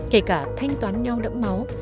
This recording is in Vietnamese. kể cả thanh toán nhau đẫm máu